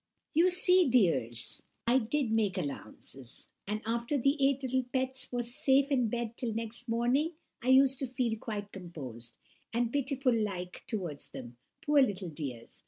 "So you see, dears, I did make allowances; and after the eight little pets was safe in bed till next morning, I used to feel quite composed, and pitiful like towards them, poor little dears!